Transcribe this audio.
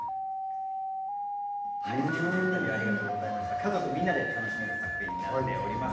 家族みんなで楽しめる作品になっております。